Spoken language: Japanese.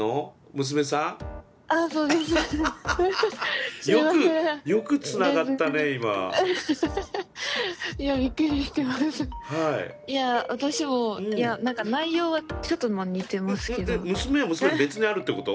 娘は娘で別にあるってこと？